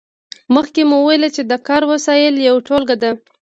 مخکې مو وویل چې د کار وسایل یوه ټولګه ده.